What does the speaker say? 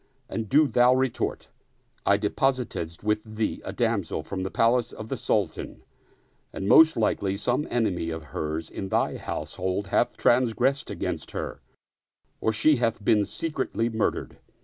And do thou retort: I deposited with thee a damsel from the palace of the Sultan, and most likely some enemy of hers in thy house hold hath transgressed against her or she hath been secretly murdered.